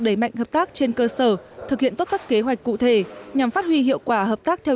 đẩy mạnh hợp tác trên cơ sở thực hiện tốt các kế hoạch cụ thể nhằm phát huy hiệu quả hợp tác theo